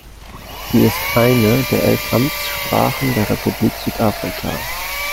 Sie ist eine der elf Amtssprachen der Republik Südafrika.